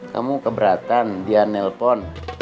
kamu keberatan dia nelpon